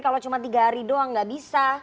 kalau cuma tiga hari doang nggak bisa